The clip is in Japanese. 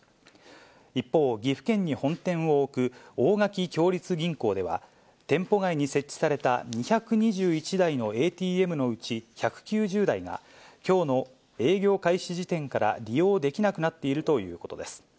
一方、岐阜県に本店を置く大垣共立銀行では、店舗外に設置された２２１台のＡＴＭのうち１９０台が、きょうの営業開始時点から利用できなくなっているということです。